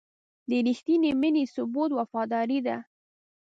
د رښتینې مینې ثبوت وفاداري ده.